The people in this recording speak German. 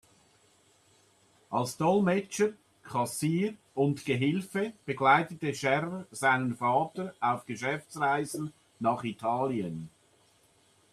Als Dolmetscher, Kassier und Gehilfe begleitete Schärer seinen Vater auf Geschäftsreisen nach Italien.